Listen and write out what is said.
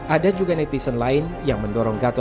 ada juga netizen lain yang mendorong gatot